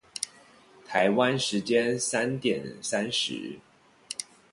台灣時間三點三十